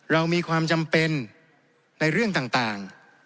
เรามีความจำเป็นในเรื่องต่าง